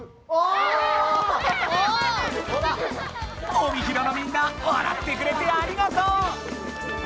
帯広のみんなわらってくれてありがとう！